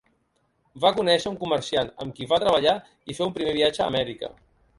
Va conèixer un comerciant, amb qui va treballar i fer un primer viatge a Amèrica.